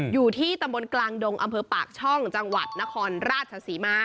อยู่ที่ตำบลกลางดงอำเภอปากช่องจังหวัดนครราชศรีมา